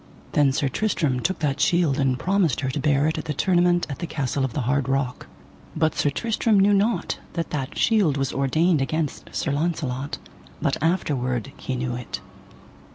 Then Sir Tristram took that shield and promised her to bear it at the tournament at the Castle of the Hard Rock. But Sir Tristram knew not that that shield was ordained against Sir Launcelot, but afterward he knew it.